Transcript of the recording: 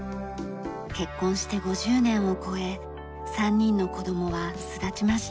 結婚して５０年を超え３人の子供は巣立ちました。